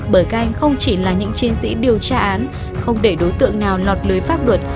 bởi các anh không chỉ là những chiến sĩ điều tra án không để đối tượng nào lọt lưới pháp luật